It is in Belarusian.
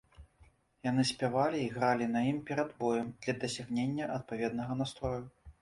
Яны спявалі і гралі на ім перад боем, для дасягнення адпаведнага настрою.